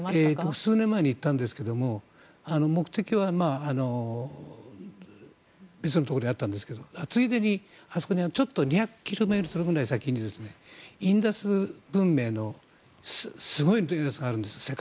数年前に行ったんですけども目的は別のところにあったんですがついでに２００ｋｍくらい先にインダス文明のすごいやつがあるんです